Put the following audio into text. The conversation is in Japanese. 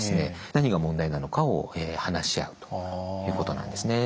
何が問題なのかを話し合うということなんですね。